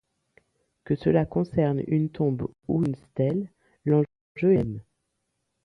Que cela concerne une tombe ou une stèle, l'enjeu est le même.